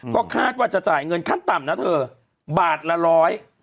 ก็คาดว่าจะจ่ายเงินขั้นต่ำนะเธอบาทละร้อย